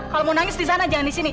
kalau mau nangis disana jangan disini